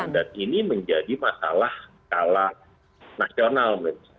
dan ini menjadi masalah kalah nasional